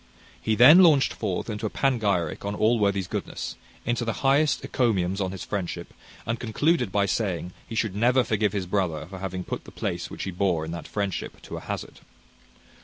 He then launched forth into a panegyric on Allworthy's goodness; into the highest encomiums on his friendship; and concluded by saying, he should never forgive his brother for having put the place which he bore in that friendship to a hazard.